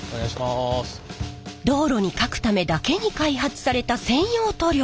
道路にかくためだけに開発された専用塗料。